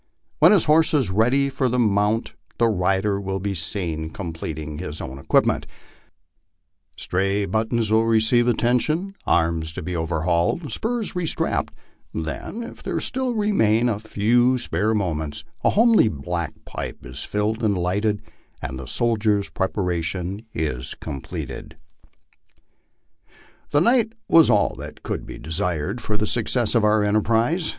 When his horse is ready for the mount the rider will be seen completing his own equipment ; stray buttons will receive atten tion, arms be overhauled, spurs restrapped ; then, if there still remain a few spare moments, the homely black pipe is filled and lighted, and the soldier's preparation is completed. The night was all that could be desired for the success of our enterprise.